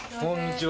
こんにちは。